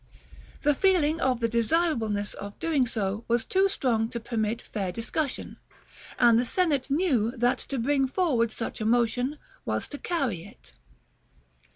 The feeling of the desirableness of doing so was too strong to permit fair discussion, and the Senate knew that to bring forward such a motion was to carry it.